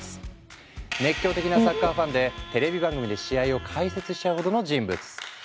熱狂的なサッカーファンでテレビ番組で試合を解説しちゃうほどの人物。